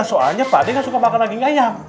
soalnya pakde tidak suka makan daging ayam